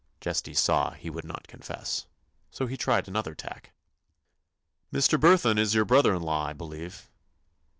Chesty saw he would not confess; so he tried another tack. "Mr. Burthon is your brother in law, I believe."